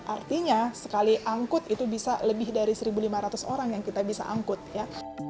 artinya sekali angkut itu bisa lebih dari satu lima ratus orang yang kita bisa angkut ya